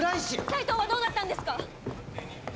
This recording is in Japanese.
斎藤はどうなったんですか！